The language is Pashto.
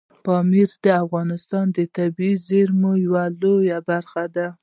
پامیر د افغانستان د طبیعي زیرمو یوه لویه برخه ده.